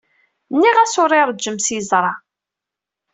Nniɣ-as ur iṛejjem s yeẓra.